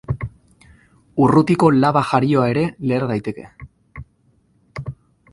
Urrutiko laba-jarioa ere leher daiteke.